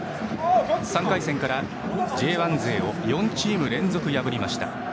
３回戦からＪ１勢を４チーム連続破りました。